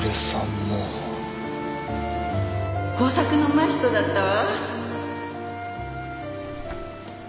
工作のうまい人だったわ